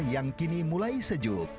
yang kini mulai sejuk